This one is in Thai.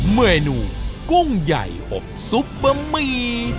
เมนูกุ้งใหญ่อบซุปบะหมี่